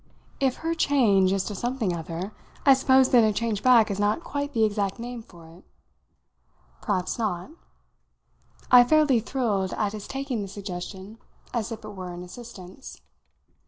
"If her change is to something other, I suppose then a change back is not quite the exact name for it." "Perhaps not." I fairly thrilled at his taking the suggestion as if it were an assistance.